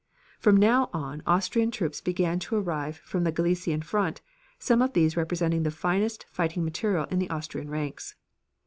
From now on Austrian troops began to arrive from the Galician front, some of these representing the finest fighting material in the Austrian ranks.